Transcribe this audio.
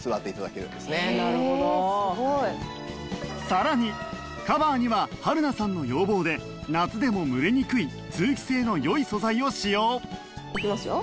さらにカバーには春菜さんの要望で夏でも蒸れにくい通気性の良い素材を使用いきますよ。